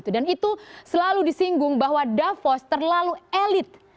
dan itu selalu disinggung bahwa davos terlalu elit